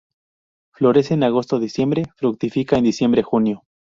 Florece en agosto-diciembre; fructifica en diciembre-junio.